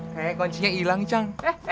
eh eh koncinya ilang cang